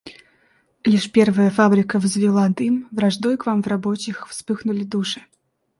Лишь первая фабрика взвила дым — враждой к вам в рабочих вспыхнули души.